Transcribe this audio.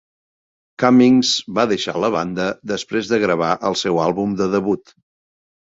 Cummings va deixar la banda després de gravar el seu àlbum de debut.